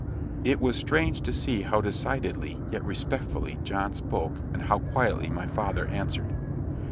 It was strange to see how decidedly, yet respectfully, John spoke, and how quietly my father answered.